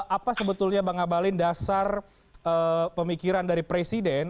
apa sebetulnya bang abalin dasar pemikiran dari presiden